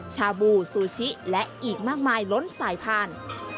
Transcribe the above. ชาบูซูชิและอีกมากมายล้นสายพาน